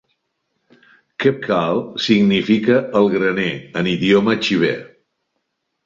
"Qapqal" significa "el graner" en idioma xibe.